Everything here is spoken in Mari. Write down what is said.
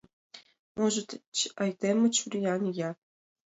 Можыч, айдеме чуриян ия?